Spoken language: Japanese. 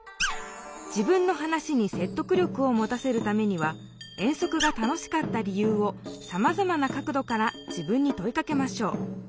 自分の話に説得力をもたせるためには遠足が楽しかった理由をさまざまな角どから自分にといかけましょう。